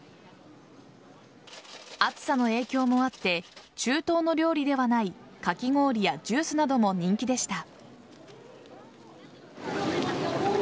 暑さの影響もあって中東の料理ではないかき氷やジュースなども人気でした。